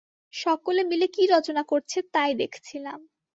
সকলে মিলে কী রচনা করছে তাই দেখছিলাম।